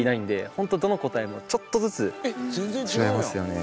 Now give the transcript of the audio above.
本当どの個体もちょっとずつ違いますよね。